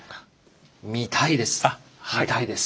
見たいです。